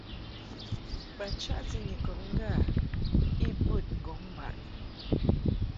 Ba chaʼti Nyikɔb ŋgâ i bed ŋgɔŋ baʼni.